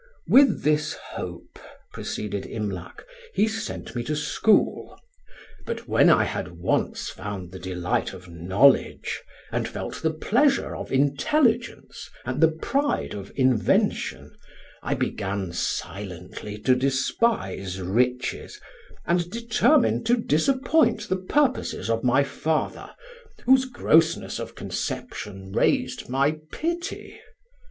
"With this hope," proceeded Imlac, "he sent me to school. But when I had once found the delight of knowledge, and felt the pleasure of intelligence and the pride of invention, I began silently to despise riches, and determined to disappoint the purposes of my father, whose grossness of conception raised my pity.